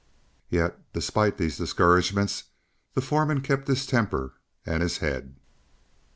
Yet, despite these discouragements, the foreman kept his temper and his head.